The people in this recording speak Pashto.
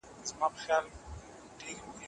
تولستوی د خپلو خبرو په رښتینولۍ باور درلود.